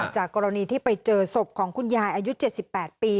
จากกรณีที่ไปเจอศพของคุณยายอายุเจ็ดสิบแปดปี